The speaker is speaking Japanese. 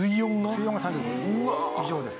水温が３０度以上です。